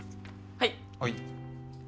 はい。